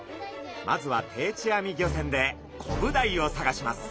まずは定置網漁船でコブダイを探します。